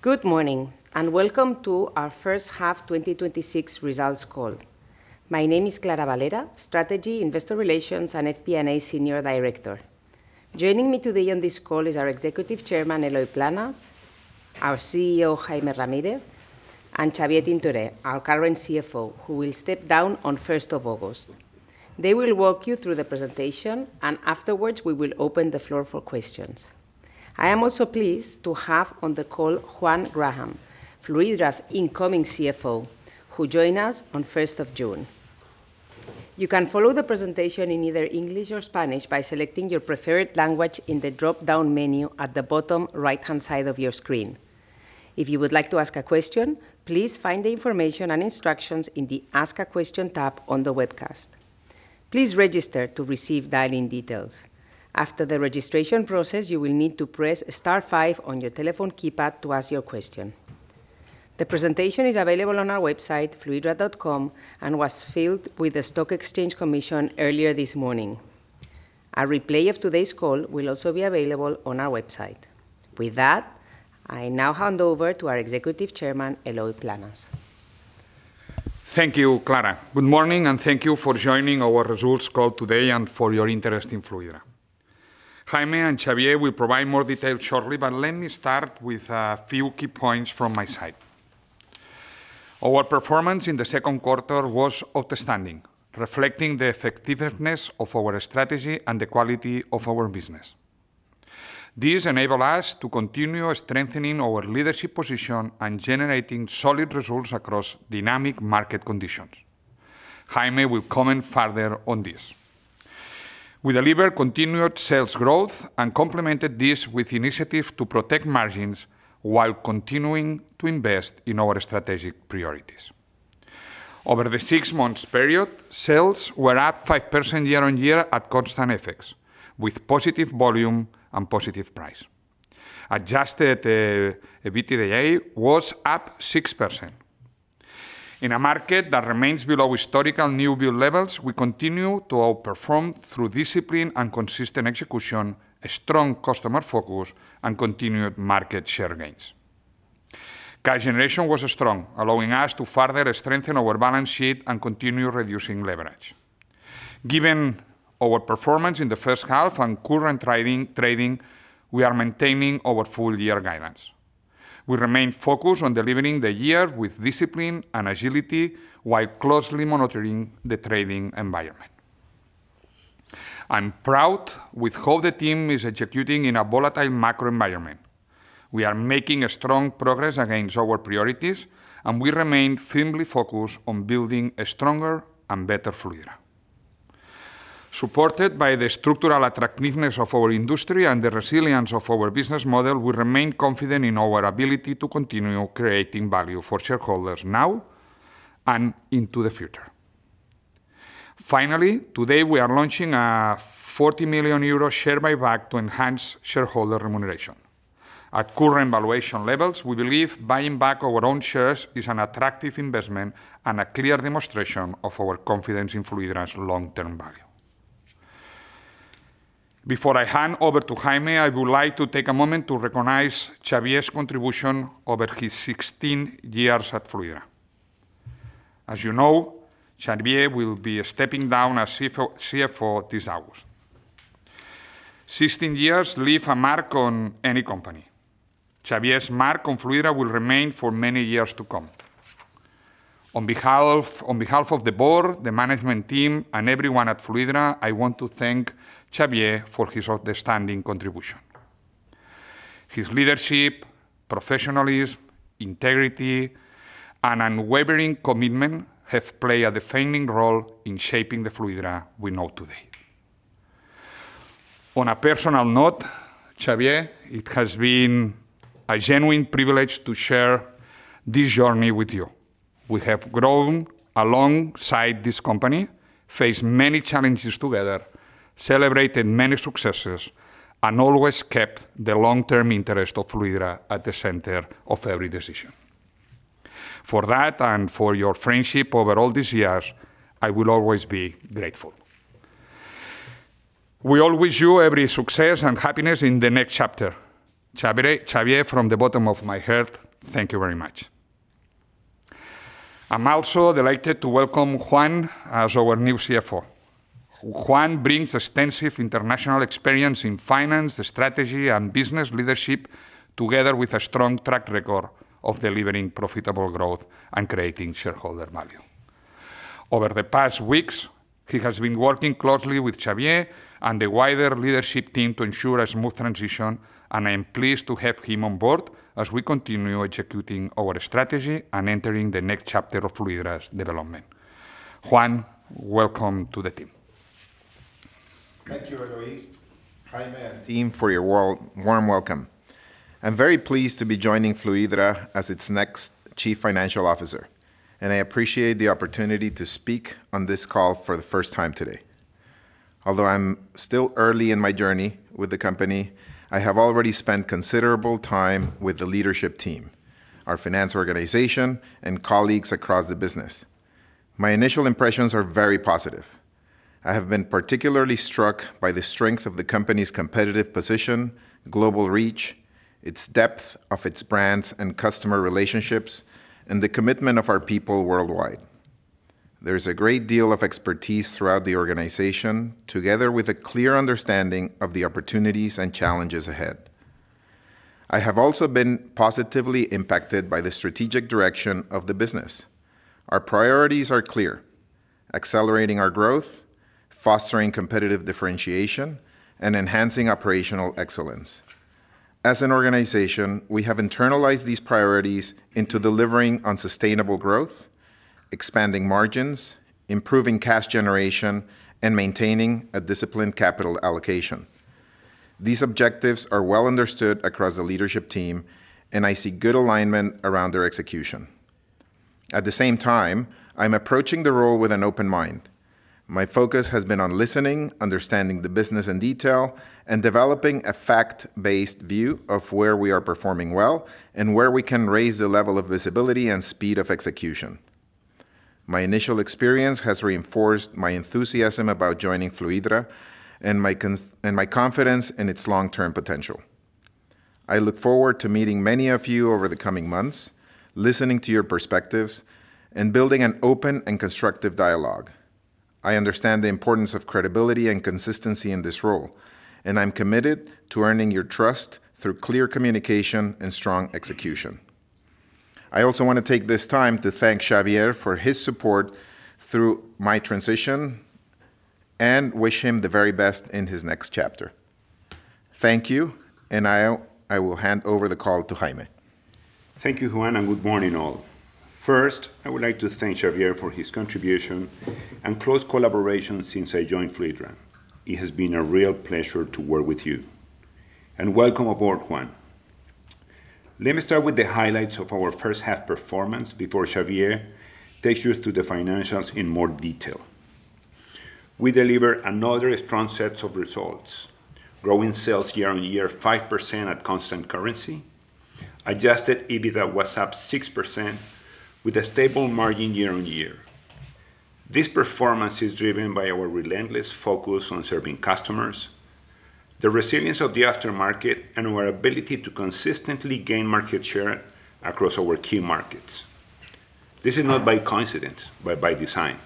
Good morning, welcome to our first half 2026 results call. My name is Clara Valera, Strategy, Investor Relations, and FP&A Senior Director. Joining me today on this call is our Executive Chairman, Eloi Planes, our CEO, Jaime Ramírez, and Xavier Tintoré, our current CFO, who will step down on the 1st of August. They will walk you through the presentation. Afterwards, we will open the floor for questions. I am also pleased to have on the call Juan Graham, Fluidra's incoming CFO, who joined us on the 1st of June. You can follow the presentation in either English or Spanish by selecting your preferred language in the dropdown menu at the bottom right-hand side of your screen. If you would like to ask a question, please find the information and instructions in the Ask a Question tab on the webcast. Please register to receive dial-in details. After the registration process, you will need to press star five on your telephone keypad to ask your question. The presentation is available on our website, fluidra.com, and was filed with the Securities and Exchange Commission earlier this morning. A replay of today's call will also be available on our website. With that, I now hand over to our Executive Chairman, Eloi Planes. Thank you, Clara. Good morning, thank you for joining our results call today and for your interest in Fluidra. Jaime and Xavier will provide more details shortly. Let me start with a few key points from my side. Our performance in the second quarter was outstanding, reflecting the effectiveness of our strategy and the quality of our business. This enabled us to continue strengthening our leadership position and generating solid results across dynamic market conditions. Jaime will comment further on this. We delivered continued sales growth and complemented this with initiatives to protect margins while continuing to invest in our strategic priorities. Over the six-month period, sales were up 5% year-on-year at constant FX, with positive volume and positive price. Adjusted EBITDA was up 6%. In a market that remains below historical new build levels, we continue to outperform through discipline and consistent execution, a strong customer focus, and continued market share gains. Cash generation was strong, allowing us to further strengthen our balance sheet and continue reducing leverage. Given our performance in the first half and current trading, we are maintaining our full-year guidance. We remain focused on delivering the year with discipline and agility while closely monitoring the trading environment. I'm proud with how the team is executing in a volatile macro environment. We are making strong progress against our priorities. We remain firmly focused on building a stronger and better Fluidra. Supported by the structural attractiveness of our industry and the resilience of our business model, we remain confident in our ability to continue creating value for shareholders now and into the future. Finally, today we are launching a 40 million euro share buyback to enhance shareholder remuneration. At current valuation levels, we believe buying back our own shares is an attractive investment and a clear demonstration of our confidence in Fluidra's long-term value. Before I hand over to Jaime, I would like to take a moment to recognize Xavier's contribution over his 16 years at Fluidra. As you know, Xavier will be stepping down as CFO this August. 16 years leaves a mark on any company. Xavier's mark on Fluidra will remain for many years to come. On behalf of the board, the management team, and everyone at Fluidra, I want to thank Xavier for his outstanding contribution. His leadership, professionalism, integrity, and unwavering commitment have played a defining role in shaping the Fluidra we know today. On a personal note, Xavier, it has been a genuine privilege to share this journey with you. We have grown alongside this company, faced many challenges together, celebrated many successes, and always kept the long-term interest of Fluidra at the center of every decision. For that and for your friendship over all these years, I will always be grateful. We all wish you every success and happiness in the next chapter. Xavier, from the bottom of my heart, thank you very much. I'm also delighted to welcome Juan as our new CFO. Juan brings extensive international experience in finance, strategy, and business leadership, together with a strong track record of delivering profitable growth and creating shareholder value. Over the past weeks, he has been working closely with Xavier and the wider leadership team to ensure a smooth transition. I am pleased to have him on board as we continue executing our strategy and entering the next chapter of Fluidra's development. Juan, welcome to the team. Thank you, Eloi, Jaime, and team, for your warm welcome. I'm very pleased to be joining Fluidra as its next chief financial officer. I appreciate the opportunity to speak on this call for the first time today. Although I'm still early in my journey with the company, I have already spent considerable time with the leadership team, our finance organization, and colleagues across the business. My initial impressions are very positive. I have been particularly struck by the strength of the company's competitive position, global reach, its depth of its brands and customer relationships, and the commitment of our people worldwide. There is a great deal of expertise throughout the organization, together with a clear understanding of the opportunities and challenges ahead. I have also been positively impacted by the strategic direction of the business. Our priorities are clear: accelerating our growth, fostering competitive differentiation, and enhancing operational excellence. As an organization, we have internalized these priorities into delivering on sustainable growth, expanding margins, improving cash generation, and maintaining a disciplined capital allocation. These objectives are well understood across the leadership team, and I see good alignment around their execution. At the same time, I'm approaching the role with an open mind. My focus has been on listening, understanding the business in detail, and developing a fact-based view of where we are performing well and where we can raise the level of visibility and speed of execution. My initial experience has reinforced my enthusiasm about joining Fluidra and my confidence in its long-term potential. I look forward to meeting many of you over the coming months, listening to your perspectives, and building an open and constructive dialogue. I understand the importance of credibility and consistency in this role, and I'm committed to earning your trust through clear communication and strong execution. I also want to take this time to thank Xavier for his support through my transition and wish him the very best in his next chapter. Thank you, and I will hand over the call to Jaime. Thank you, Juan, and good morning all. First, I would like to thank Xavier for his contribution and close collaboration since I joined Fluidra. It has been a real pleasure to work with you. Welcome aboard, Juan. Let me start with the highlights of our first half performance before Xavier takes you through the financials in more detail. We deliver another strong set of results, growing sales year-over-year 5% at constant currency. Adjusted EBITDA was up 6% with a stable margin year-over-year. This performance is driven by our relentless focus on serving customers, the resilience of the aftermarket, and our ability to consistently gain market share across our key markets. This is not by coincidence, but by design.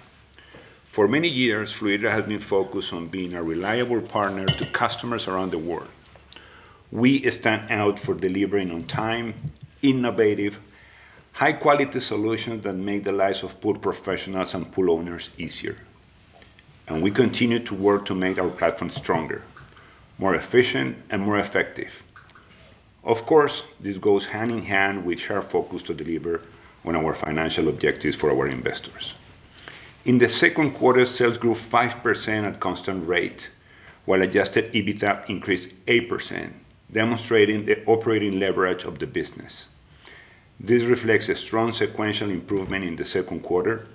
For many years, Fluidra has been focused on being a reliable partner to customers around the world. We stand out for delivering on time, innovative, high-quality solutions that make the lives of pool professionals and pool owners easier. We continue to work to make our platform stronger, more efficient, and more effective. Of course, this goes hand in hand with our focus to deliver on our financial objectives for our investors. In the second quarter, sales grew 5% at constant rate, while Adjusted EBITDA increased 8%, demonstrating the operating leverage of the business. This reflects a strong sequential improvement in the second quarter,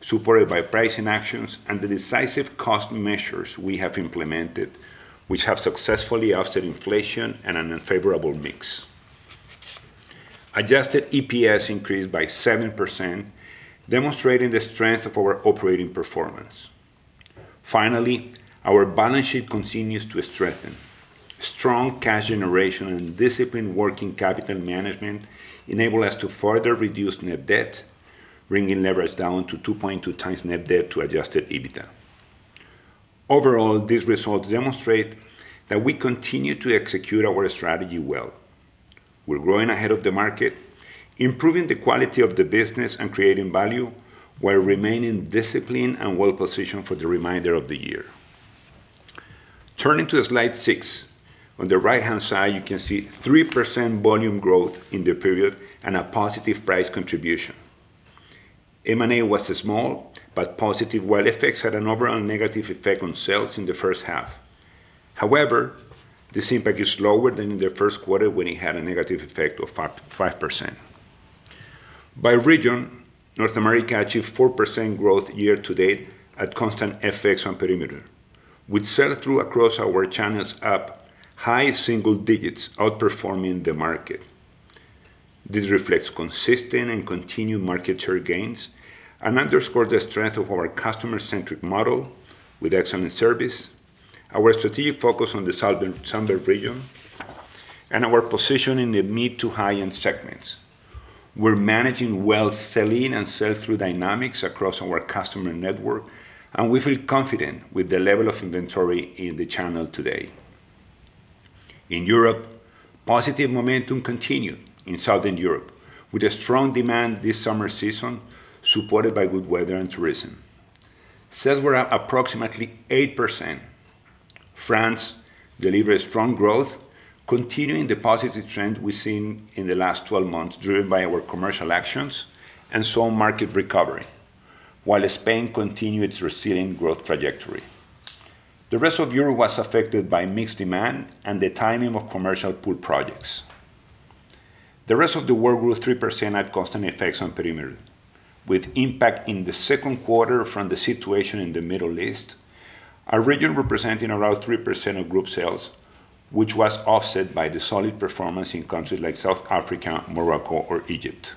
supported by pricing actions and the decisive cost measures we have implemented, which have successfully offset inflation and an unfavorable mix. Adjusted EPS increased by 7%, demonstrating the strength of our operating performance. Finally, our balance sheet continues to strengthen. Strong cash generation and disciplined working capital management enable us to further reduce net debt, bringing leverage down to 2.2 times net debt to Adjusted EBITDA. Overall, these results demonstrate that we continue to execute our strategy well. We are growing ahead of the market, improving the quality of the business, and creating value while remaining disciplined and well-positioned for the remainder of the year. Turning to slide seven. On the right-hand side, you can see 3% volume growth in the period and a positive price contribution. M&A was small, but positive wealth effects had an overall negative effect on sales in the first half. However, this impact is lower than in the first quarter, when it had a negative effect of 5%. By region, North America achieved 4% growth year to date at constant FX on perimeter, with sell-through across our channels up high single digits, outperforming the market. This reflects consistent and continued market share gains and underscores the strength of our customer-centric model with excellent service, our strategic focus on the southern region, and our position in the mid to high-end segments. We are managing well sell-in and sell-through dynamics across our customer network, and we feel confident with the level of inventory in the channel today. Positive momentum continued in Southern Europe with a strong demand this summer season, supported by good weather and tourism. Sales were up approximately 8%. France delivered strong growth, continuing the positive trend we have seen in the last 12 months, driven by our commercial actions and some market recovery, while Spain continued its receding growth trajectory. Rest of Europe was affected by mixed demand and the timing of commercial pool projects. Rest of the world grew 3% at constant FX on perimeter. With impact in the second quarter from the situation in the Middle East, a region representing around 3% of group sales, which was offset by the solid performance in countries like South Africa, Morocco, or Egypt.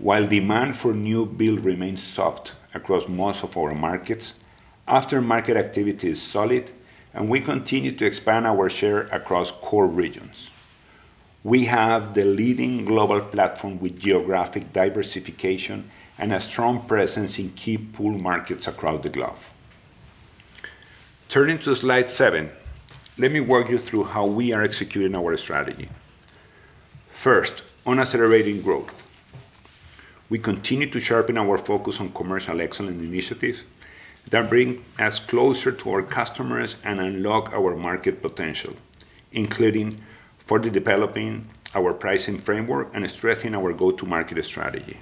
While demand for new build remains soft across most of our markets, aftermarket activity is solid, and we continue to expand our share across core regions. We have the leading global platform with geographic diversification and a strong presence in key pool markets across the globe. Turning to slide seven, let me walk you through how we are executing our strategy. First, on accelerating growth. We continue to sharpen our focus on commercial excellence initiatives that bring us closer to our customers and unlock our market potential, including further developing our pricing framework and strengthening our go-to-market strategy.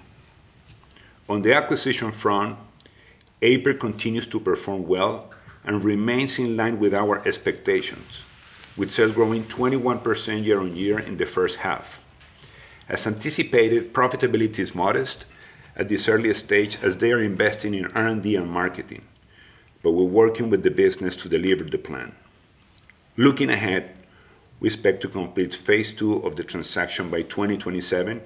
On the acquisition front, Aiper continues to perform well and remains in line with our expectations, with sales growing 21% year-on-year in the first half. As anticipated, profitability is modest at this early stage as they are investing in R&D and marketing, but we are working with the business to deliver the plan. Looking ahead, we expect to complete Phase 2 of the transaction by 2027,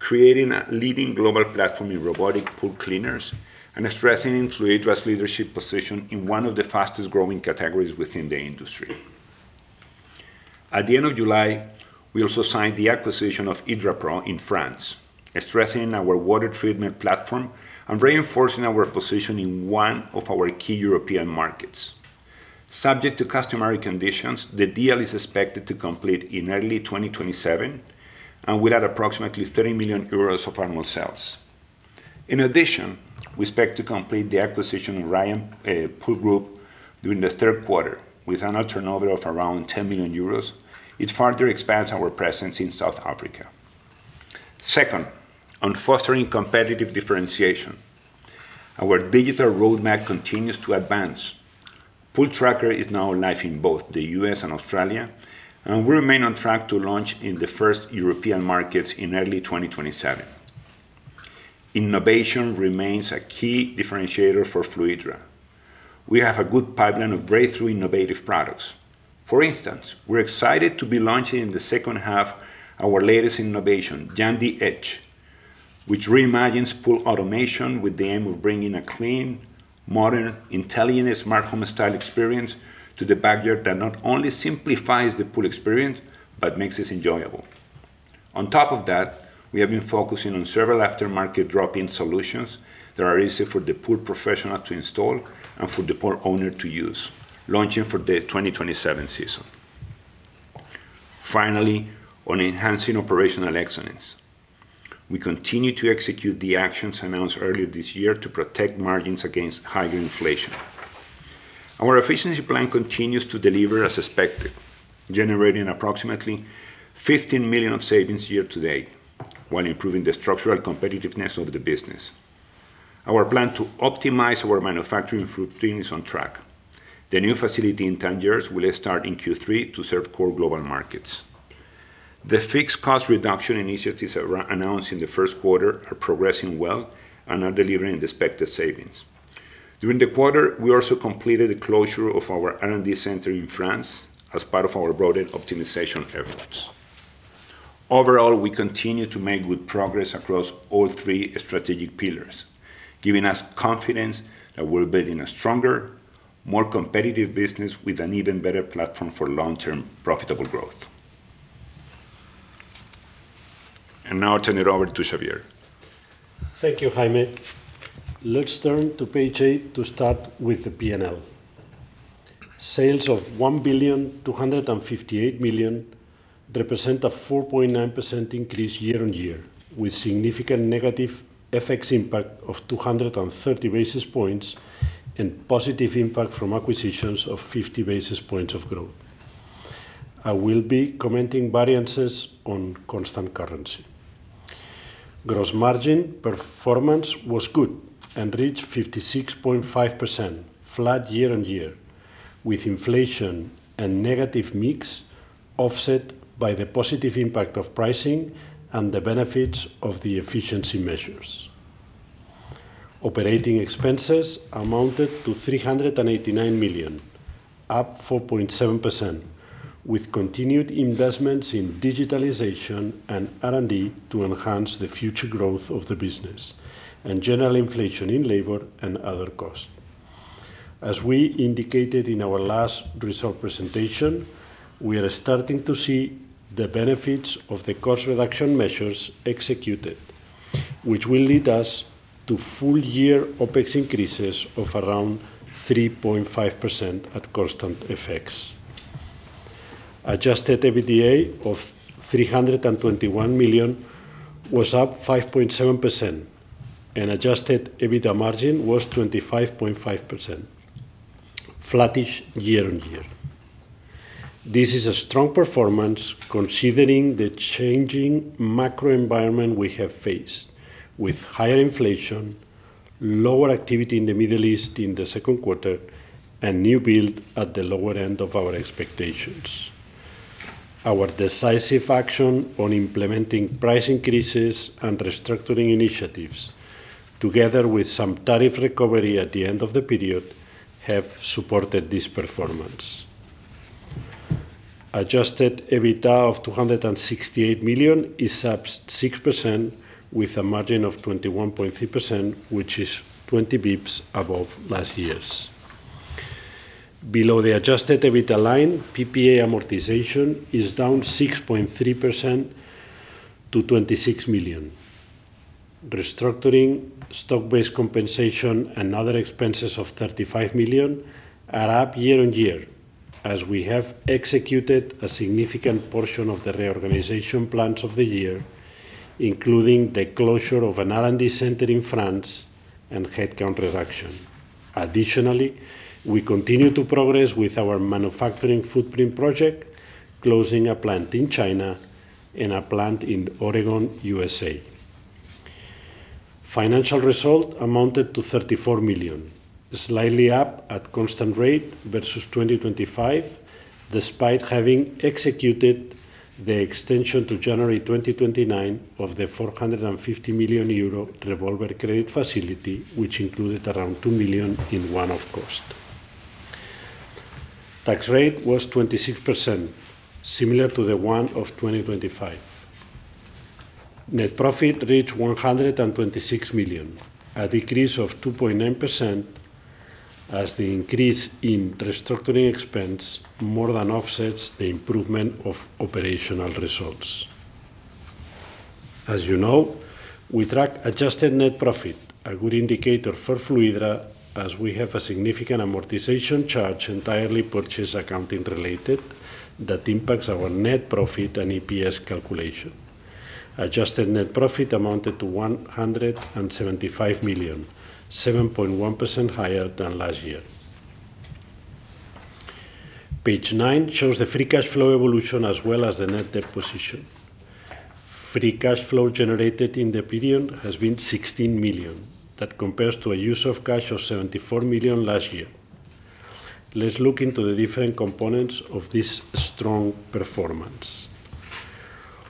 creating a leading global platform in robotic pool cleaners and strengthening Fluidra's leadership position in one of the fastest-growing categories within the industry. At the end of July, we also signed the acquisition of Hydrapro in France, strengthening our water treatment platform and reinforcing our position in one of our key European markets. Subject to customary conditions, the deal is expected to complete in early 2027 and will add approximately 30 million euros of annual sales. In addition, we expect to complete the acquisition of Riaan Pool Group during the third quarter. With annual turnover of around 10 million euros, it further expands our presence in South Africa. Second, on fostering competitive differentiation. Our digital roadmap continues to advance. Pooltrackr is now live in both the U.S. and Australia, and we remain on track to launch in the first European markets in early 2027. Innovation remains a key differentiator for Fluidra. We have a good pipeline of breakthrough innovative products. For instance, we're excited to be launching in the second half our latest innovation, Jandy Edge, which reimagines pool automation with the aim of bringing a clean, modern, intelligent, smart home-style experience to the backyard that not only simplifies the pool experience but makes it enjoyable. On top of that, we have been focusing on several aftermarket drop-in solutions that are easy for the pool professional to install and for the pool owner to use, launching for the 2027 season. Finally, on enhancing operational excellence, we continue to execute the actions announced earlier this year to protect margins against higher inflation. Our efficiency plan continues to deliver as expected, generating approximately 15 million of savings year to date while improving the structural competitiveness of the business. Our plan to optimize our manufacturing footprint is on track. The new facility in Tangiers will start in Q3 to serve core global markets. The fixed cost reduction initiatives announced in the first quarter are progressing well and are delivering the expected savings. During the quarter, we also completed the closure of our R&D center in France as part of our broader optimization efforts. Overall, we continue to make good progress across all three strategic pillars, giving us confidence that we're building a stronger, more competitive business with an even better platform for long-term profitable growth. Now I'll turn it over to Xavier. Thank you, Jaime. Let's turn to page eight to start with the P&L. Sales of 1,258,000,000 represent a 4.9% increase year on year, with significant negative FX impact of 230 basis points and positive impact from acquisitions of 50 basis points of growth. I will be commenting variances on constant currency. Gross margin performance was good and reached 56.5%, flat year on year, with inflation and negative mix offset by the positive impact of pricing and the benefits of the efficiency measures. Operating expenses amounted to 389 million, up 4.7%, with continued investments in digitalization and R&D to enhance the future growth of the business and general inflation in labor and other costs. As we indicated in our last result presentation, we are starting to see the benefits of the cost reduction measures executed, which will lead us to full year OpEx increases of around 3.5% at constant FX. Adjusted EBITDA of 321 million was up 5.7%, and Adjusted EBITDA margin was 25.5%, flattish year-over-year. This is a strong performance considering the changing macro environment we have faced, with higher inflation, lower activity in the Middle East in the second quarter, and new build at the lower end of our expectations. Our decisive action on implementing price increases and restructuring initiatives, together with some tariff recovery at the end of the period, have supported this performance. Adjusted EBITDA of 268 million is up 6%, with a margin of 21.3%, which is 20 basis points above last year's. Below the Adjusted EBITDA line, PPA amortization is down 6.3% to EUR 26 million. Restructuring, stock-based compensation, and other expenses of 35 million are up year-over-year, as we have executed a significant portion of the reorganization plans of the year, including the closure of an R&D center in France and headcount reduction. Additionally, we continue to progress with our manufacturing footprint project, closing a plant in China and a plant in Oregon, U.S.A. Financial result amounted to 34 million, slightly up at constant rate versus 2025, despite having executed the extension to January 2029 of the 450 million euro revolver credit facility, which included around 2 million in one-off cost. Tax rate was 26%, similar to the one of 2025. Net profit reached 126 million, a decrease of 2.9%, as the increase in restructuring expense more than offsets the improvement of operational results. As you know, we track adjusted net profit, a good indicator for Fluidra, as we have a significant amortization charge, entirely purchase accounting related, that impacts our net profit and EPS calculation. Adjusted net profit amounted to 175 million, 7.1% higher than last year. Page nine shows the free cash flow evolution as well as the net debt position. Free cash flow generated in the period has been 16 million. That compares to a use of cash of 74 million last year. Let's look into the different components of this strong performance.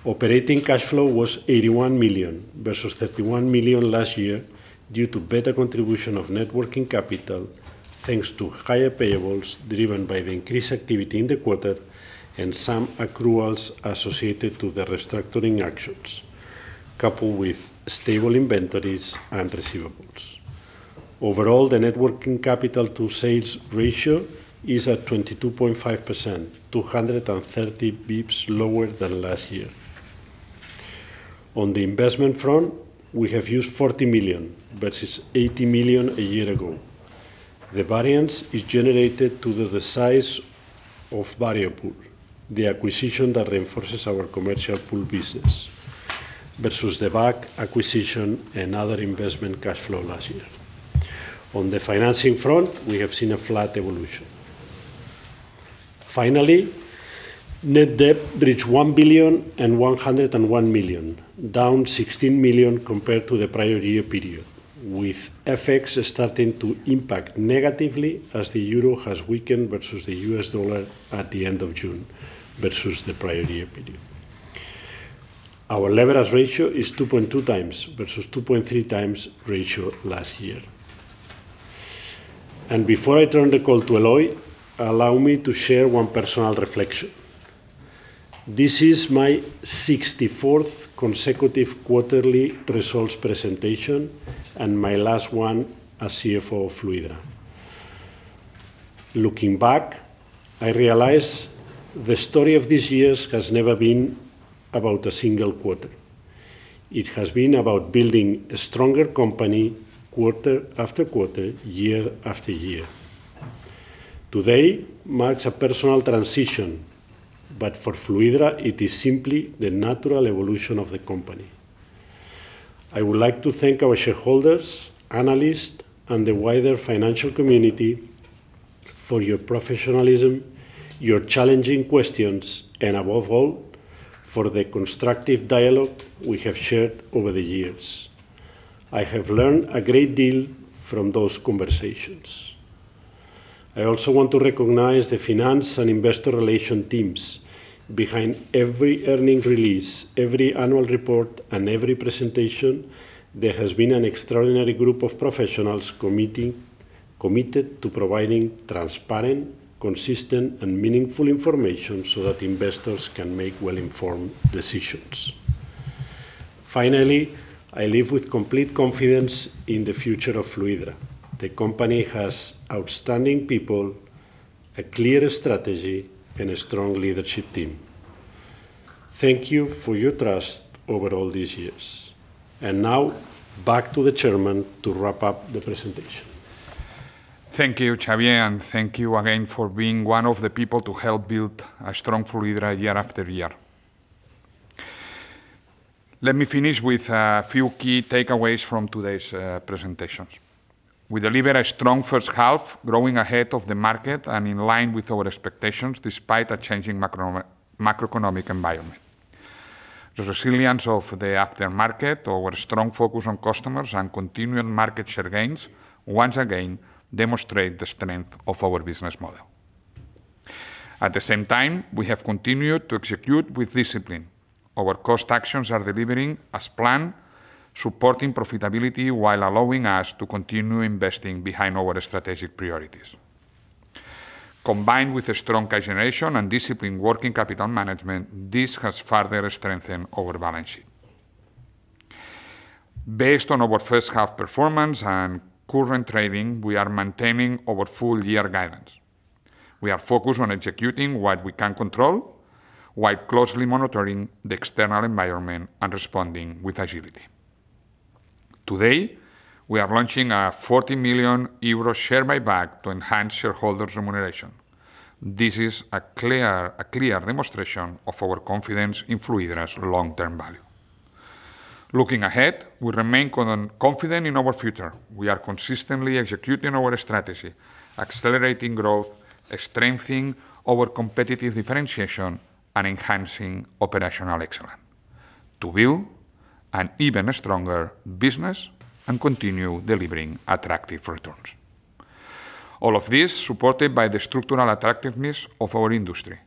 Operating cash flow was 81 million versus 31 million last year due to better contribution of net working capital, thanks to higher payables driven by the increased activity in the quarter, and some accruals associated to the restructuring actions, coupled with stable inventories and receivables. Overall, the net working capital to sales ratio is at 22.5%, 230 basis points lower than last year. On the investment front, we have used 40 million, versus 80 million a year ago. The variance is generated due to the size of Variopool, the acquisition that reinforces our commercial pool business, versus the share buyback and other investment cash flow last year. On the financing front, we have seen a flat evolution. Finally, net debt reached 1,101 million, down 16 million compared to the prior year period, with FX starting to impact negatively as the euro has weakened versus the U.S. dollar at the end of June, versus the prior year period. Our leverage ratio is 2.2 times versus 2.3 times ratio last year. Before I turn the call to Eloi, allow me to share one personal reflection. This is my 64th consecutive quarterly results presentation and my last one as CFO of Fluidra. Looking back, I realize the story of these years has never been about a single quarter. It has been about building a stronger company quarter after quarter, year after year. Today marks a personal transition, but for Fluidra, it is simply the natural evolution of the company. I would like to thank our shareholders, analysts, and the wider financial community for your professionalism, your challenging questions, and above all, for the constructive dialogue we have shared over the years. I have learned a great deal from those conversations. I also want to recognize the finance and investor relation teams. Behind every earning release, every annual report, and every presentation, there has been an extraordinary group of professionals committed to providing transparent, consistent, and meaningful information so that investors can make well-informed decisions. Finally, I leave with complete confidence in the future of Fluidra. The company has outstanding people, a clear strategy, and a strong leadership team. Thank you for your trust over all these years. Now, back to the chairman to wrap up the presentation. Thank you, Xavier, and thank you again for being one of the people to help build a strong Fluidra year after year. Let me finish with a few key takeaways from today's presentations. We deliver a strong first half, growing ahead of the market and in line with our expectations, despite a changing macroeconomic environment. The resilience of the aftermarket, our strong focus on customers, and continuing market share gains once again demonstrate the strength of our business model. At the same time, we have continued to execute with discipline. Our cost actions are delivering as planned, supporting profitability while allowing us to continue investing behind our strategic priorities. Combined with strong cash generation and disciplined working capital management, this has further strengthened our balance sheet. Based on our first half performance and current trading, we are maintaining our full year guidance. We are focused on executing what we can control while closely monitoring the external environment and responding with agility. Today, we are launching a 40 million euro share buyback to enhance shareholder remuneration. This is a clear demonstration of our confidence in Fluidra's long-term value. Looking ahead, we remain confident in our future. We are consistently executing our strategy, accelerating growth, strengthening our competitive differentiation, and enhancing operational excellence to build an even stronger business and continue delivering attractive returns. All of this supported by the structural attractiveness of our industry.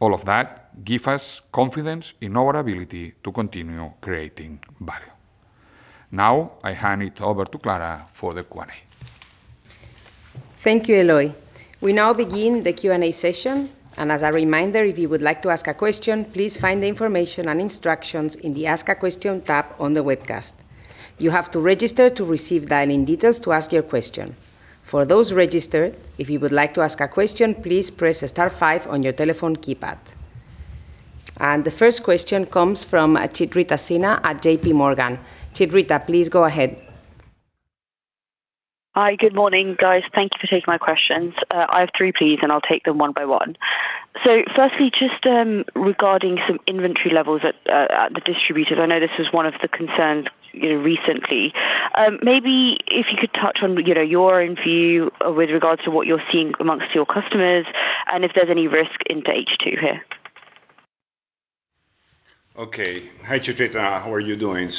All of that gives us confidence in our ability to continue creating value. I hand it over to Clara for the Q&A. Thank you, Eloi. We now begin the Q&A session. As a reminder, if you would like to ask a question, please find the information and instructions in the Ask a Question tab on the webcast. You have to register to receive dial-in details to ask your question. For those registered, if you would like to ask a question, please press star five on your telephone keypad. The first question comes from Chitrita Sinha at JPMorgan. Chitrita, please go ahead. Hi. Good morning, guys. Thank you for taking my questions. I have three, please, and I'll take them one by one. Firstly, just regarding some inventory levels at the distributors, I know this was one of the concerns recently. Maybe if you could touch on your own view with regards to what you're seeing amongst your customers and if there's any risk into H2 here. Hi, Chitrita. How are you doing?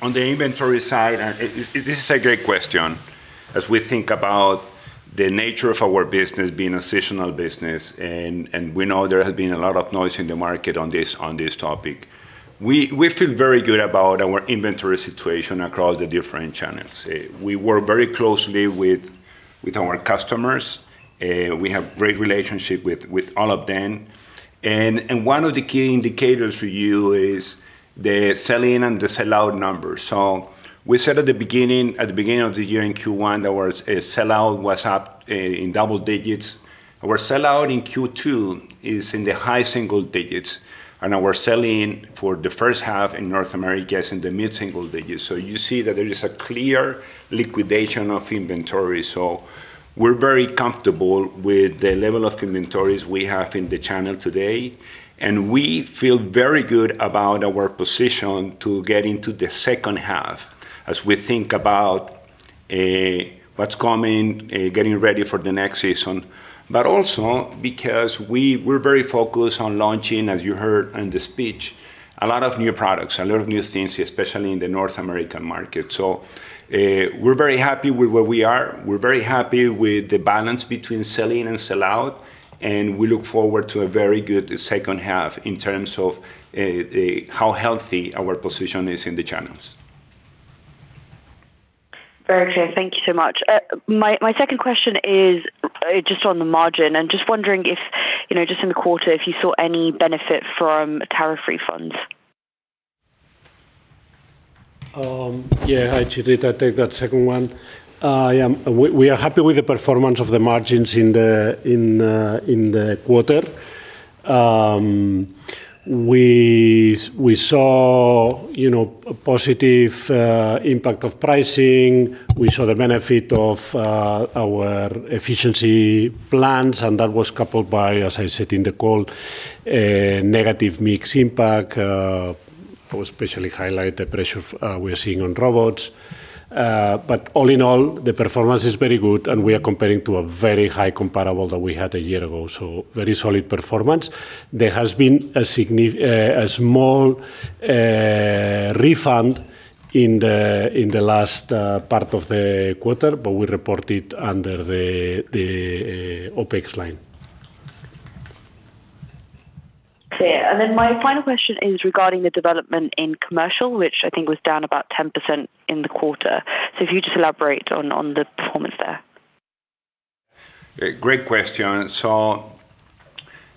On the inventory side, this is a great question as we think about the nature of our business being a seasonal business, we know there has been a lot of noise in the market on this topic. We feel very good about our inventory situation across the different channels. We work very closely with our customers. We have great relationships with all of them. One of the key indicators for you is the sell-in and the sell-out numbers. We said at the beginning of the year in Q1 that our sell-out was up in double digits. Our sell-out in Q2 is in the high single digits, and our sell-in for the first half in North America is in the mid single digits. You see that there is a clear liquidation of inventory. We're very comfortable with the level of inventories we have in the channel today, and we feel very good about our position to get into the second half as we think about what's coming, getting ready for the next season. Also because we're very focused on launching, as you heard in the speech, a lot of new products, a lot of new things, especially in the North American market. We're very happy with where we are. We're very happy with the balance between sell-in and sell-out, and we look forward to a very good second half in terms of how healthy our position is in the channels. Very clear. Thank you so much. My second question is just on the margin, and just wondering if, just in the quarter, if you saw any benefit from tariff refunds. Hi, Chitrita. I'll take that second one. We are happy with the performance of the margins in the quarter. We saw a positive impact of pricing. We saw the benefit of our efficiency plans, and that was coupled by, as I said in the call, a negative mix impact, especially highlight the pressure we're seeing on robots. All in all, the performance is very good, and we are comparing to a very high comparable that we had a year ago. Very solid performance. There has been a small refund in the last part of the quarter, but we report it under the OpEx line. Clear. My final question is regarding the development in commercial, which I think was down about 10% in the quarter. If you could just elaborate on the performance there. Great question.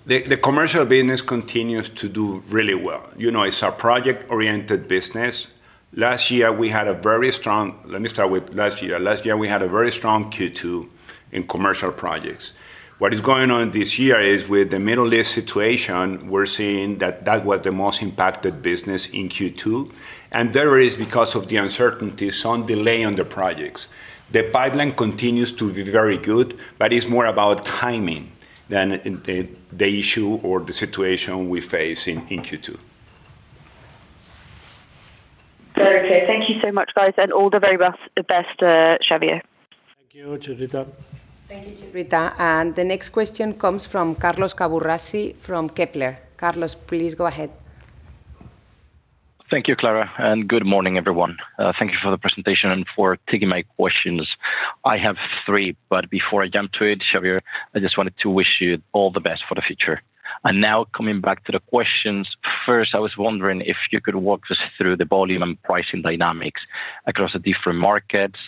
The commercial business continues to do really well. It's a project-oriented business. Let me start with last year. Last year, we had a very strong Q2 in commercial projects. What is going on this year is with the Middle East situation, we're seeing that that was the most impacted business in Q2, and that is because of the uncertainties on delay on the projects. The pipeline continues to be very good, but it's more about timing than the issue or the situation we face in Q2. Very clear. Thank you so much, guys. All the very best to Xavier. Thank you, Chitrita. Thank you, Chitrita. The next question comes from Carlos Caburrasi from Kepler. Carlos, please go ahead. Thank you, Clara, and good morning, everyone. Thank you for the presentation and for taking my questions. I have three, but before I jump to it, Xavier, I just wanted to wish you all the best for the future. Now coming back to the questions. First, I was wondering if you could walk us through the volume and pricing dynamics across the different markets.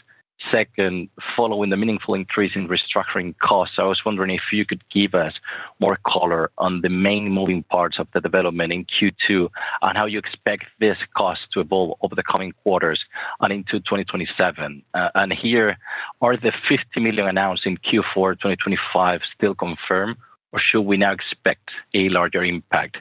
Second, following the meaningful increase in restructuring costs, I was wondering if you could give us more color on the main moving parts of the development in Q2, and how you expect this cost to evolve over the coming quarters and into 2027. Here, are the 50 million announced in Q4 2025 still confirmed, or should we now expect a larger impact?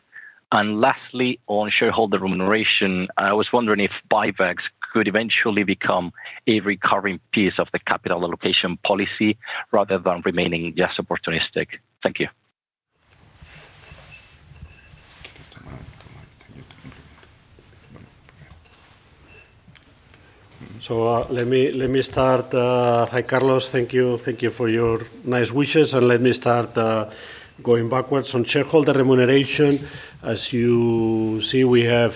Lastly, on shareholder remuneration, I was wondering if buybacks could eventually become a recurring piece of the capital allocation policy rather than remaining just opportunistic. Thank you. Let me start. Hi, Carlos. Thank you for your nice wishes, and let me start going backwards. On shareholder remuneration, as you see, we have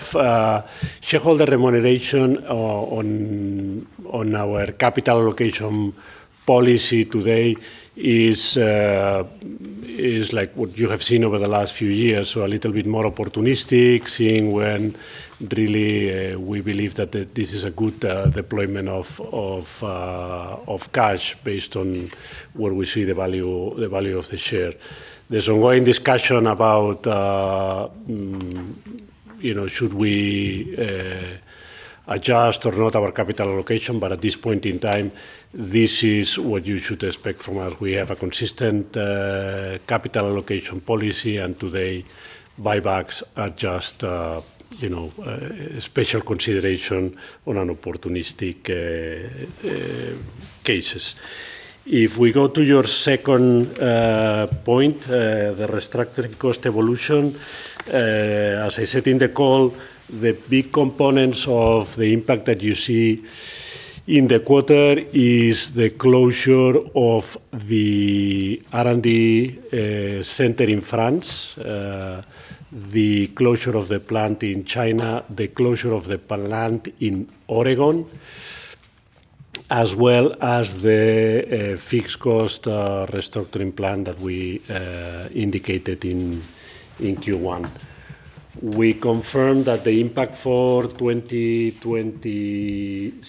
shareholder remuneration on our capital allocation policy today is like what you have seen over the last few years. A little bit more opportunistic, seeing when really we believe that this is a good deployment of cash based on where we see the value of the share. There's ongoing discussion about should we adjust or not our capital allocation, but at this point in time, this is what you should expect from us. We have a consistent capital allocation policy, and today, buybacks are just special consideration on an opportunistic cases. If we go to your second point, the restructuring cost evolution. As I said in the call, the big components of the impact that you see in the quarter is the closure of the R&D center in France, the closure of the plant in China, the closure of the plant in Oregon, as well as the fixed cost restructuring plan that we indicated in Q1. We confirmed that the impact for 2026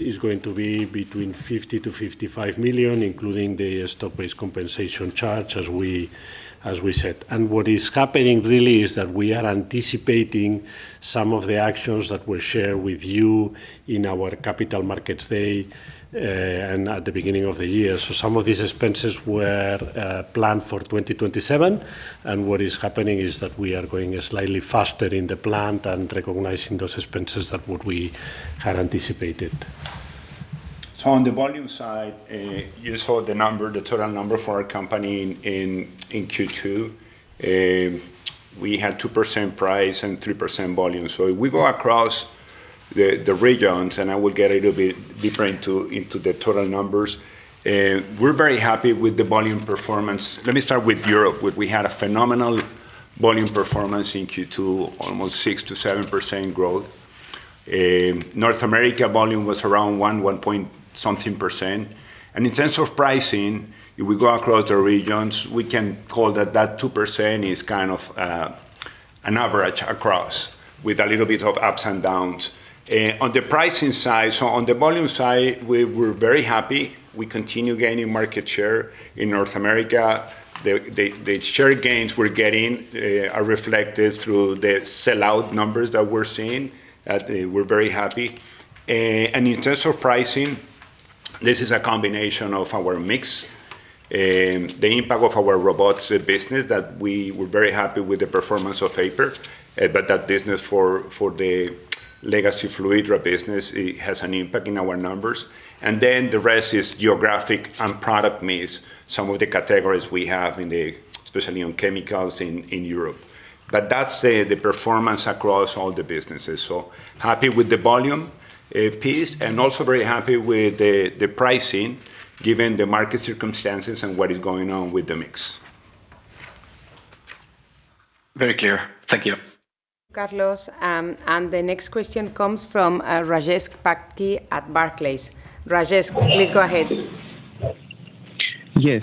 is going to be between 50 million-55 million, including the stock-based compensation charge, as we said. What is happening really is that we are anticipating some of the actions that we'll share with you in our capital markets day and at the beginning of the year. Some of these expenses were planned for 2027, and what is happening is that we are going slightly faster in the plant and recognizing those expenses than what we had anticipated. On the volume side, you saw the total number for our company in Q2. We had 2% price and 3% volume. If we go across the regions, and I will get a little bit deeper into the total numbers, we're very happy with the volume performance. Let me start with Europe. We had a phenomenal volume performance in Q2, almost 6%-7% growth. North America volume was around one point something percent. In terms of pricing, if we go across the regions, we can call that 2% is kind of an average across with a little bit of ups and downs. On the pricing side, on the volume side, we're very happy. We continue gaining market share in North America. The share gains we're getting are reflected through the sell-out numbers that we're seeing, that we're very happy. In terms of pricing, this is a combination of our mix. The impact of our robotics business that we were very happy with the performance of Aiper, but that business for the legacy Fluidra business has an impact in our numbers. Then the rest is geographic and product mix, some of the categories we have, especially on chemicals in Europe. That's the performance across all the businesses. Happy with the volume piece and also very happy with the pricing given the market circumstances and what is going on with the mix. Very clear. Thank you. Carlos. The next question comes from Rajesh Patki at Barclays. Rajesh, please go ahead. Yes.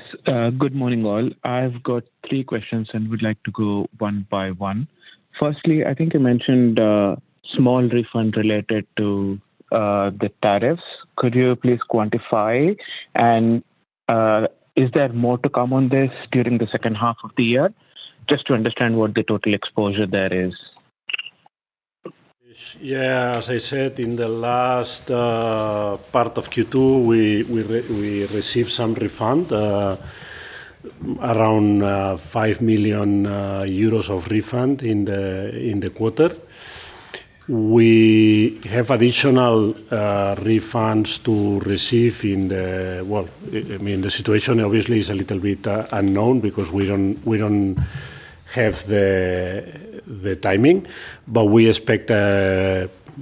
Good morning, all. I've got three questions and would like to go one by one. I think you mentioned a small refund related to the tariffs. Could you please quantify? Is there more to come on this during the second half of the year? Just to understand what the total exposure there is. Yeah. As I said, in the last part of Q2, we received some refund, around five million euros of refund in the quarter. We have additional refunds to receive in the Well, the situation obviously is a little bit unknown because we don't have the timing, but we expect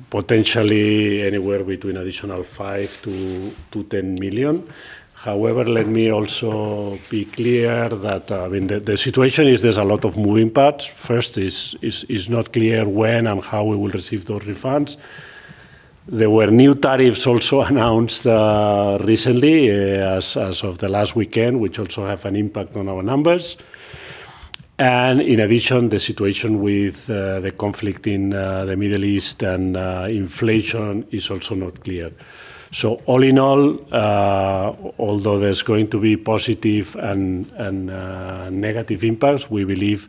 potentially anywhere between additional 5 million-10 million. Let me also be clear that the situation is there's a lot of moving parts. Is not clear when and how we will receive those refunds. There were new tariffs also announced recently as of the last weekend, which also have an impact on our numbers. In addition, the situation with the conflict in the Middle East and inflation is also not clear. All in all, although there's going to be positive and negative impacts, we believe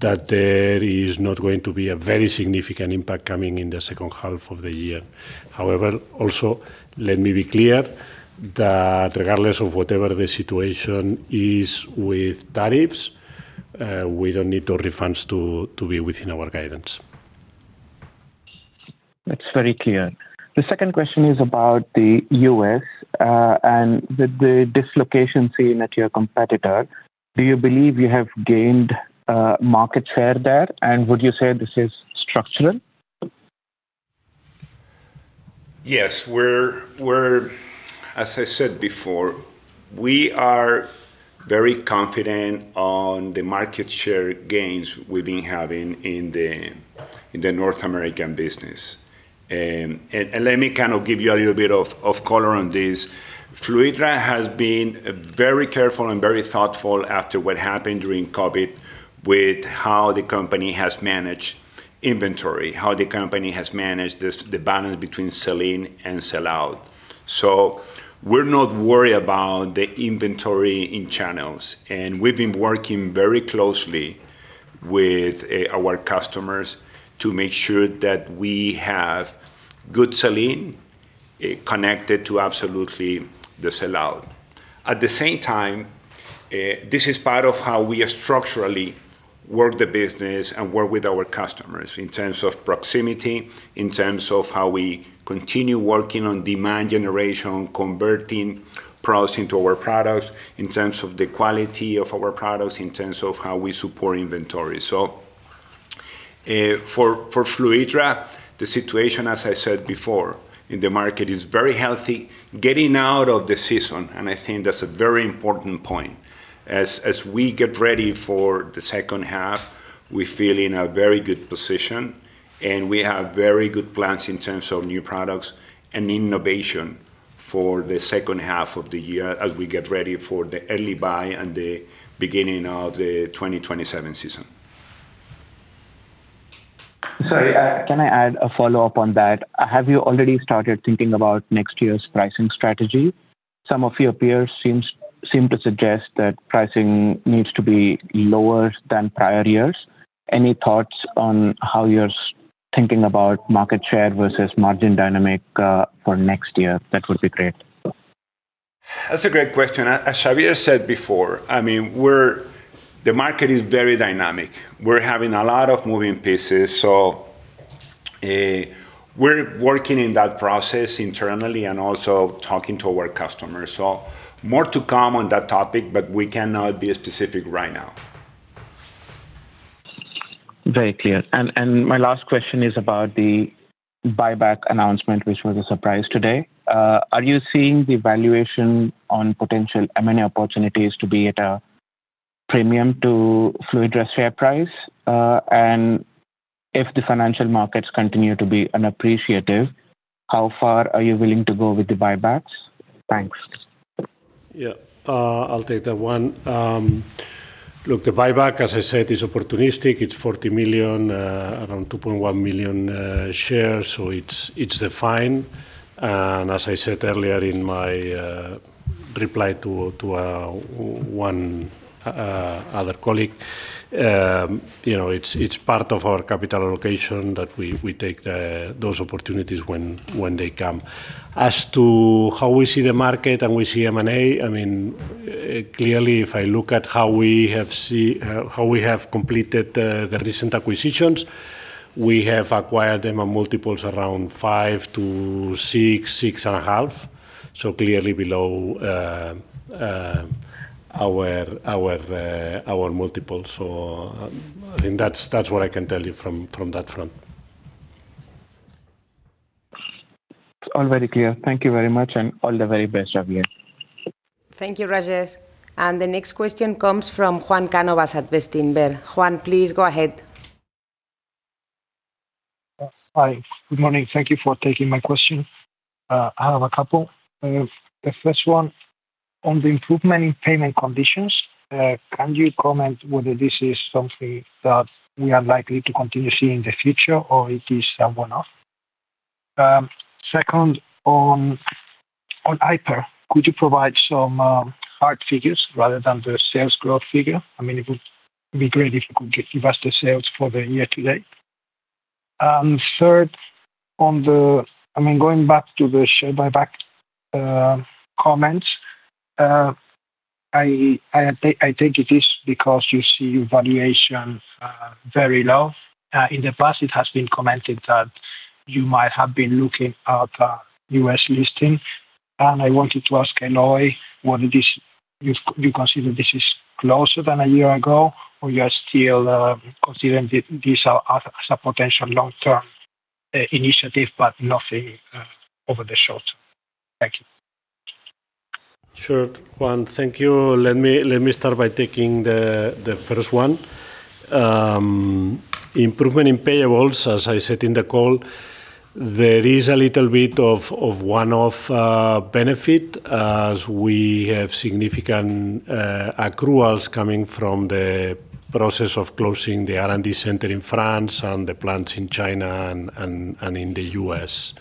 that there is not going to be a very significant impact coming in the second half of the year. Also, let me be clear that regardless of whatever the situation is with tariffs, we don't need our refunds to be within our guidance. That's very clear. The second question is about the U.S. and the dislocation seen at your competitor. Do you believe you have gained market share there? Would you say this is structural? Yes. As I said before, we are very confident on the market share gains we've been having in the North American business. Let me give you a little bit of color on this. Fluidra has been very careful and very thoughtful after what happened during COVID with how the company has managed inventory, how the company has managed the balance between sell-in and sell-out. We're not worried about the inventory in channels, and we've been working very closely with our customers to make sure that we have good sell-in connected to absolutely the sell-out. At the same time, this is part of how we structurally work the business and work with our customers in terms of proximity, in terms of how we continue working on demand generation, converting pros into our products, in terms of the quality of our products, in terms of how we support inventory. For Fluidra, the situation, as I said before, in the market is very healthy, getting out of the season. I think that's a very important point. As we get ready for the second half, we feel in a very good position. We have very good plans in terms of new products and innovation for the second half of the year as we get ready for the early buy and the beginning of the 2027 season. Sorry, can I add a follow-up on that? Have you already started thinking about next year's pricing strategy? Some of your peers seem to suggest that pricing needs to be lower than prior years. Any thoughts on how you're thinking about market share versus margin dynamic for next year? That would be great. That's a great question. As Xavier said before, the market is very dynamic. We're having a lot of moving pieces. We're working in that process internally and also talking to our customers. More to come on that topic, but we cannot be specific right now. Very clear. My last question is about the share buyback announcement, which was a surprise today. Are you seeing the valuation on potential M&A opportunities to be at a premium to Fluidra's share price? If the financial markets continue to be unappreciative, how far are you willing to go with the share buybacks? Thanks. Yeah, I'll take that one. Look, the share buyback, as I said, is opportunistic. It's 40 million, around 2.1 million shares, so it's defined. As I said earlier in my reply to one other colleague, it's part of our capital allocation that we take those opportunities when they come. As to how we see the market and we see M&A, clearly if I look at how we have completed the recent acquisitions, we have acquired them on multiples around five to six, 6.5, so clearly below our multiples. I think that's what I can tell you from that front. It's all very clear. Thank you very much, and all the very best, Xavier. Thank you, Rajesh. The next question comes from Juan Cánovas at Bestinver. Juan, please go ahead. Hi. Good morning. Thank you for taking my question. I have a couple. The first one on the improvement in payment conditions. Can you comment whether this is something that we are likely to continue seeing in the future or it is a one-off? Second, on Aiper, could you provide some hard figures rather than the sales growth figure? It would be great if you could give us the sales for the year to date. Third, going back to the share buyback comments. I take it it's because you see valuation very low. In the past it has been commented that you might have been looking at a U.S. listing, and I wanted to ask Eloi, do you consider this is closer than a year ago, or you are still considering this as a potential long-term initiative but nothing over the short term? Thank you. Sure. Juan, thank you. Let me start by taking the first one. Improvement in payables, as I said in the call, there is a little bit of one-off benefit as we have significant accruals coming from the process of closing the R&D center in France and the plants in China and in the U.S.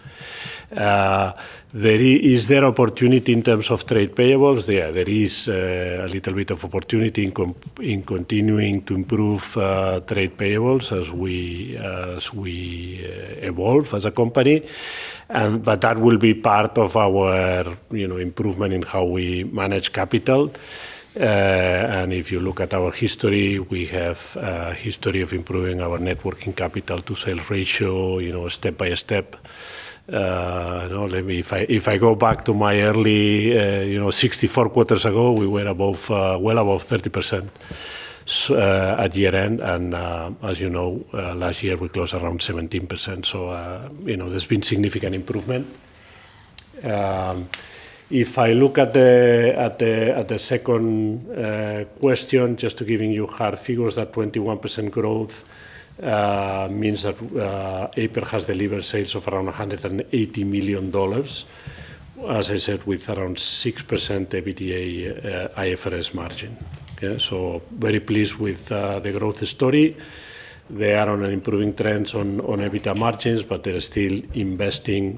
Is there opportunity in terms of trade payables? Yeah, there is a little bit of opportunity in continuing to improve trade payables as we evolve as a company. That will be part of our improvement in how we manage capital. If you look at our history, we have a history of improving our networking capital to sales ratio, step by step. If I go back to my early 64 quarters ago, we were well above 30% at year-end. As you know, last year we closed around 17%. There's been significant improvement. If I look at the second question, just to giving you hard figures, that 21% growth means that Aiper has delivered sales of around $180 million. As I said, with around 6% EBITDA IFRS margin. Okay? Very pleased with the growth story. They are on an improving trend on EBITDA margins, they're still investing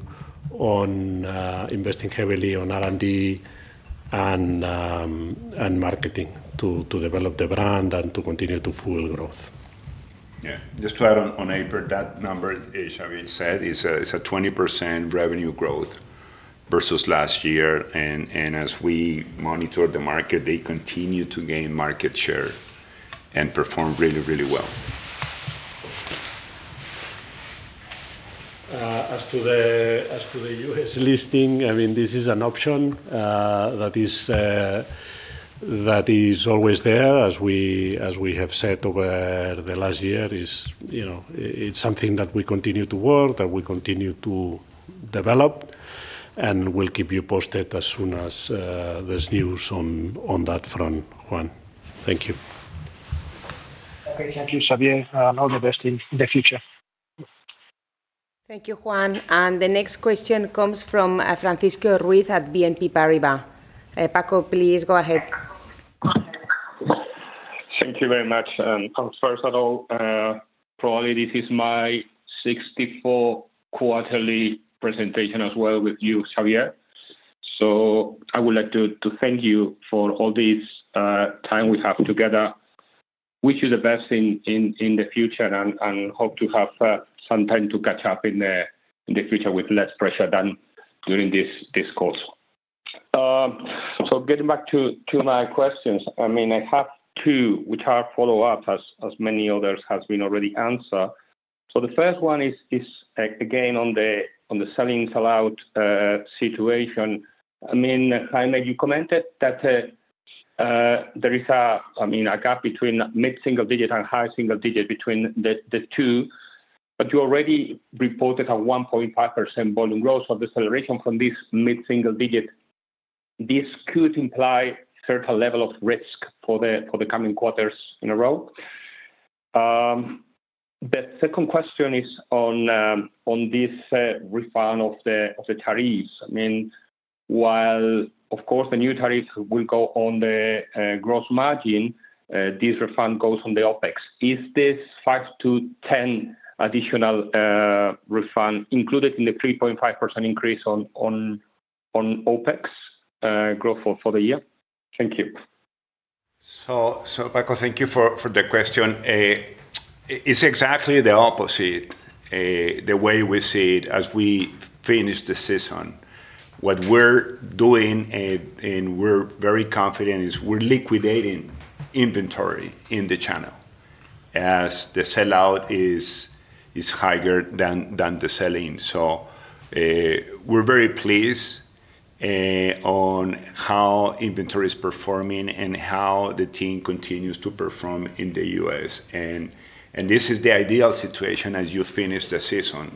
heavily on R&D and marketing to develop the brand and to continue to fuel growth. Yeah, just to add on Aiper, that number, as Xavier said, is a 20% revenue growth versus last year. As we monitor the market, they continue to gain market share and perform really well. As to the U.S. listing, this is an option that is always there. As we have said over the last year, it's something that we continue to work, that we continue to develop. We'll keep you posted as soon as there's news on that front, Juan. Thank you. Okay. Thank you, Xavier, all the best in the future. Thank you, Juan. The next question comes from Francisco Ruiz at BNP Paribas. Paco, please go ahead. Thank you very much. First of all, probably this is my 64 quarterly presentation as well with you, Xavier. I would like to thank you for all this time we have together. Wish you the best in the future and hope to have some time to catch up in the future with less pressure than during this call. Getting back to my questions. I have two, which are follow-ups, as many others have been already answered. The first one is, again, on the sell-in sell-out situation. Jaime, you commented that there is a gap between mid-single digit and high single digit between the two, but you already reported a 1.5% volume growth of deceleration from this mid-single digit. This could imply a certain level of risk for the coming quarters in a row. The second question is on this refund of the tariffs. While of course the new tariffs will go on the gross margin, this refund goes on the OpEx. Is this 5-10 additional refund included in the 3.5% increase on OpEx growth for the year? Thank you. Paco, thank you for the question. It's exactly the opposite, the way we see it as we finish the season. What we're doing, and we're very confident, is we're liquidating inventory in the channel as the sellout is higher than the sell-in. We're very pleased on how inventory is performing and how the team continues to perform in the U.S. This is the ideal situation as you finish the season.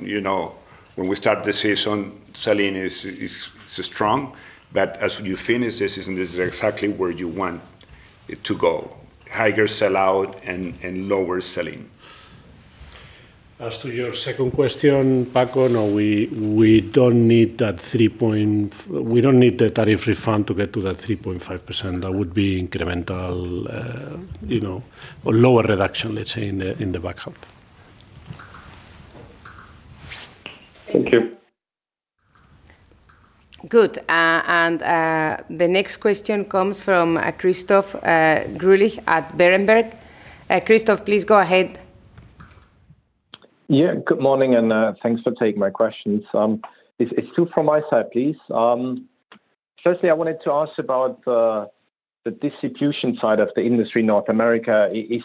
When we start the season, sell-in is strong, but as you finish the season, this is exactly where you want it to go. Higher sellout and lower sell-in. As to your second question, Paco, no, we don't need the tariff refund to get to that 3.5%. That would be incremental or lower reduction, let's say, in the backup. Thank you. Good. The next question comes from Christoph Greulich at Berenberg. Christoph, please go ahead. Yeah, good morning, thanks for taking my questions. It's two from my side, please. Firstly, I wanted to ask about the distribution side of the industry in North America. I was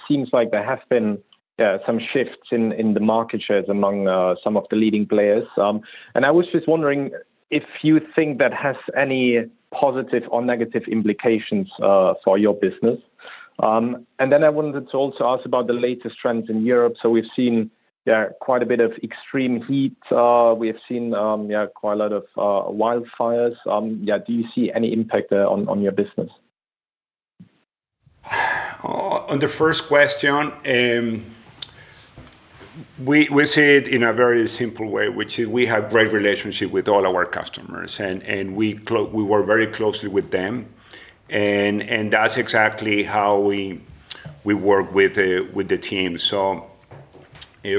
just wondering if you think that has any positive or negative implications for your business. Then I wanted to also ask about the latest trends in Europe. We've seen quite a bit of extreme heat. We have seen quite a lot of wildfires. Do you see any impact on your business? On the first question, we see it in a very simple way, which is we have great relationship with all our customers, and we work very closely with them. That's exactly how we work with the team.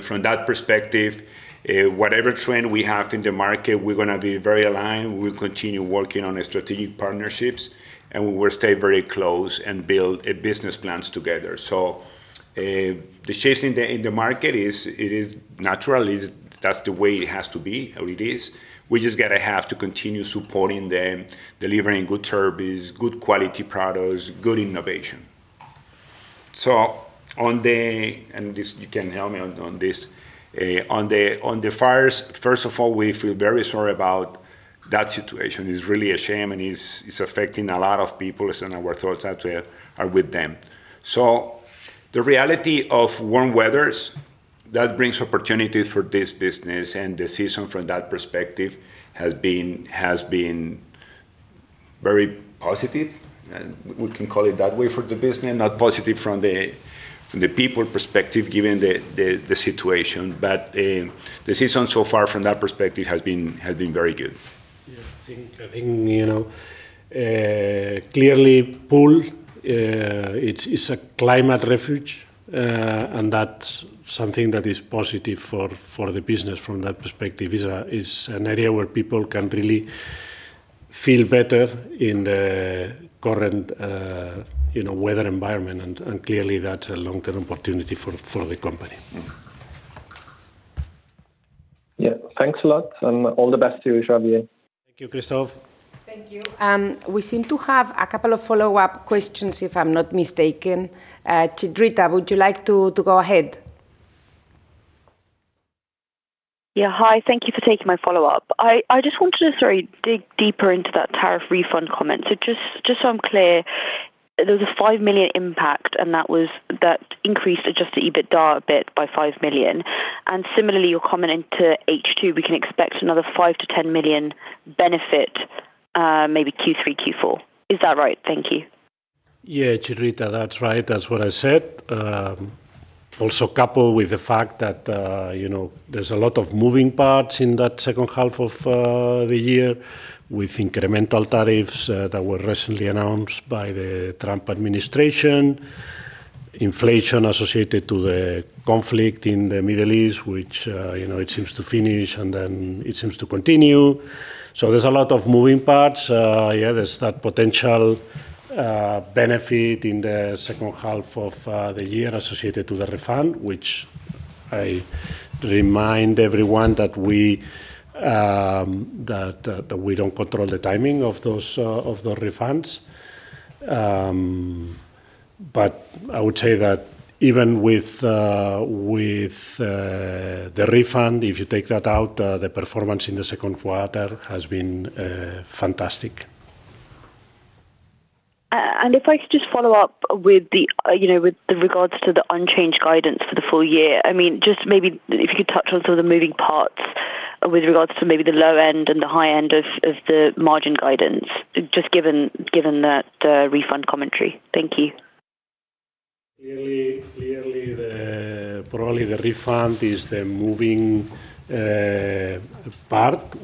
From that perspective, whatever trend we have in the market, we're going to be very aligned. We'll continue working on strategic partnerships, and we will stay very close and build business plans together. The change in the market is, it is natural. That's the way it has to be, how it is. We just going to have to continue supporting them, delivering good service, good quality products, good innovation. And you can help me on this. On the fires, first of all, we feel very sorry about that situation. It's really a shame, and it's affecting a lot of people, and our thoughts are with them. The reality of warm weathers, that brings opportunities for this business, and the season from that perspective has been very positive. We can call it that way for the business, not positive from the people perspective, given the situation. The season so far from that perspective has been very good. Yeah. I think, clearly Pool, it's a climate refuge. That's something that is positive for the business from that perspective. It's an area where people can really feel better in the current weather environment, and clearly that's a long-term opportunity for the company. Yeah. Thanks a lot, and all the best to you, Xavier. Thank you, Christoph. Thank you. We seem to have a couple of follow-up questions if I'm not mistaken. Chitrita, would you like to go ahead? Yeah. Hi, thank you for taking my follow-up. I just wanted to sort of dig deeper into that tariff refund comment. Just so I'm clear, there was a 5 million impact, and that increased Adjusted EBITDA a bit by 5 million. Similarly, you're commenting to H2, we can expect another 5 million-10 million benefit, maybe Q3, Q4. Is that right? Thank you. Yeah, Chitrita, that's right. That's what I said. Also coupled with the fact that there's a lot of moving parts in that second half of the year with incremental tariffs that were recently announced by the Trump administration, inflation associated to the conflict in the Middle East, which it seems to finish, and then it seems to continue. There's a lot of moving parts. Yeah, there's that potential benefit in the second half of the year associated to the refund, which I remind everyone that we don't control the timing of the refunds. I would say that even with the refund, if you take that out, the performance in the second quarter has been fantastic. If I could just follow up with regards to the unchanged guidance for the full year, just maybe if you could touch on some of the moving parts with regards to maybe the low end and the high end of the margin guidance, just given the refund commentary. Thank you. Clearly, probably the refund is the moving part.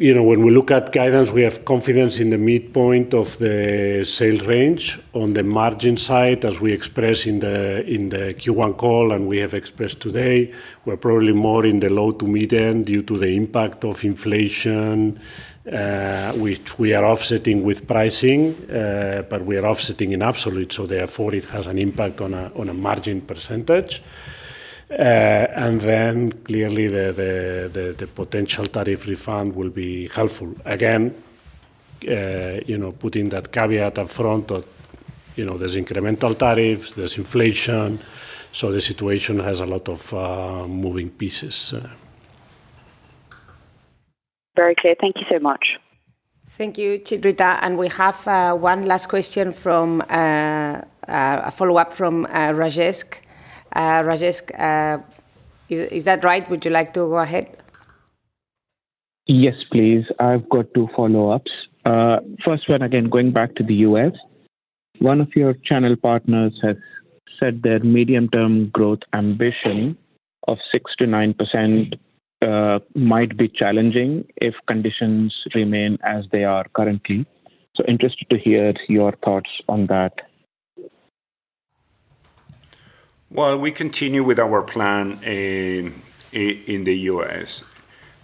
When we look at guidance, we have confidence in the midpoint of the sales range. On the margin side, as we expressed in the Q1 call and we have expressed today, we're probably more in the low to mid end due to the impact of inflation, which we are offsetting with pricing. We are offsetting in absolute, therefore it has an impact on a margin percentage. Clearly, the potential tariff refund will be helpful. Again, putting that caveat up front of there's incremental tariffs, there's inflation, the situation has a lot of moving pieces. Very clear. Thank you so much. Thank you, Chitrita. We have one last question, a follow-up from Rajesh Patki. Rajesh Patki, is that right? Would you like to go ahead? Yes, please. I've got two follow-ups. First one, again, going back to the U.S. One of your channel partners has said their medium-term growth ambition of 6%-9% might be challenging if conditions remain as they are currently. Interested to hear your thoughts on that. Well, we continue with our plan in the U.S.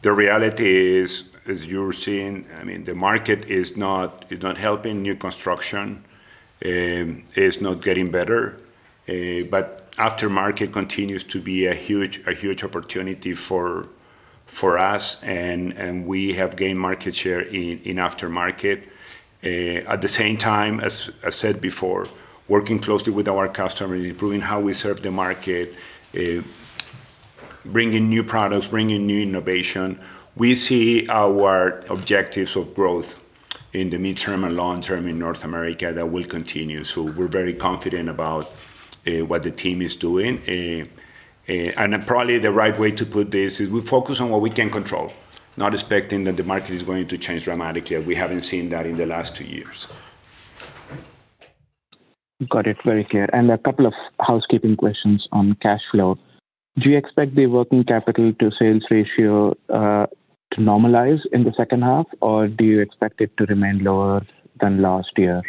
The reality is, as you're seeing, the market is not helping new construction. It's not getting better. Aftermarket continues to be a huge opportunity for us, and we have gained market share in aftermarket. At the same time, as I said before, working closely with our customers, improving how we serve the market, bringing new products, bringing new innovation. We see our objectives of growth in the midterm and long-term in North America, that will continue. We're very confident about what the team is doing. Probably the right way to put this is we focus on what we can control, not expecting that the market is going to change dramatically, and we haven't seen that in the last two years. Got it. Very clear. A couple of housekeeping questions on cash flow. Do you expect the working capital to sales ratio to normalize in the second half, or do you expect it to remain lower than last year?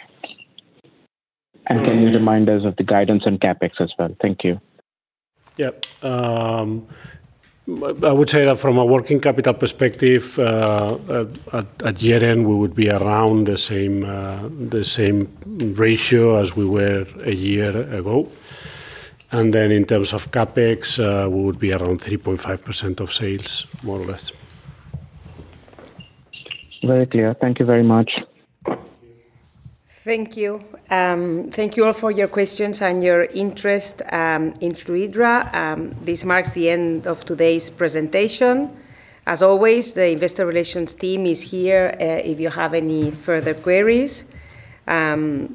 Can you remind us of the guidance on CapEx as well? Thank you. I would say that from a working capital perspective, at year-end, we would be around the same ratio as we were a year ago. In terms of CapEx, we would be around 3.5% of sales, more or less. Very clear. Thank you very much. Thank you. Thank you all for your questions and your interest in Fluidra. This marks the end of today's presentation. As always, the investor relations team is here, if you have any further queries. Goodbye